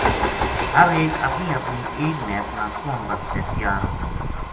ہر ایک اپنی اپنی ایک مھیس نا کوہن بسطے تیار ہو گیو